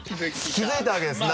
気づいたわけですね？